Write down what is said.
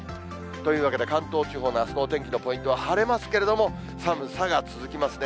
というわけで関東地方のあすの天気のポイントは晴れますけれども、寒さが続きますね。